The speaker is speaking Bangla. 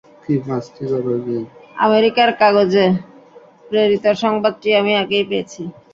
আমেরিকার কাগজে প্রেরিত সংবাদটি আমি আগেই পেয়েছি।